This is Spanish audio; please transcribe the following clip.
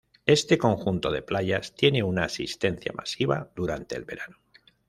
Este conjunto de playas tiene una asistencia masiva durante el verano.